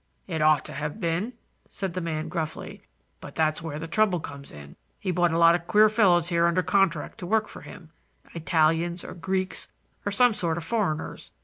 "It ought to have been," said the man gruffly; "but that's where the trouble comes in. He brought a lot of queer fellows here under contract to work for him, Italians, or Greeks, or some sort of foreigners.